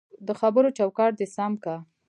دخبرو چوکاټ دی سم که